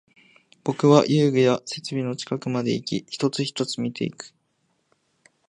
僕は遊具や設備の近くまでいき、一つ、一つ見ていく